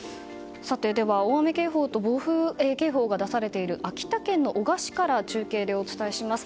では大雨警報と暴風警報が出されている秋田県の男鹿市から中継でお伝えします。